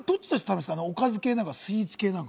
おかず系なのか、スイーツ系なのか？